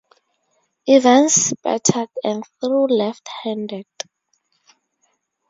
Evans batted and threw left-handed.